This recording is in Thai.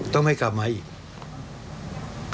ต้องให้กลับมาอีก